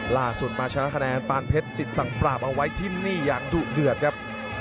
ล่าสุดมาชนะคะแนนปานเพชรสิทธิสังปราบเอาไว้ที่นี่อย่างดุเดือดครับ